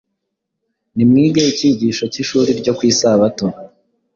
Nimwige icyigisho cy’ishuri ryo ku Isabato,